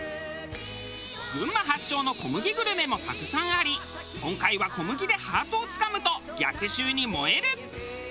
群馬発祥の小麦グルメもたくさんあり今回は小麦でハートをつかむと逆襲に燃える！